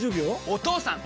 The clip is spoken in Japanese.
お義父さん！